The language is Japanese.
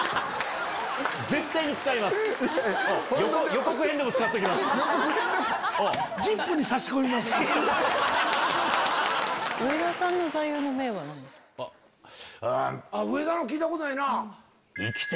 予告編でも⁉上田の聞いたことないな。